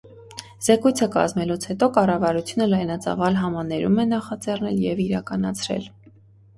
Զեկույցը կազմելուց հետո կառավարությունը լայնածավալ համաներում է նախաձեռնել և իրականացրել։